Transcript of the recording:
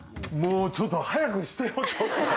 ちょっと早くしてよ！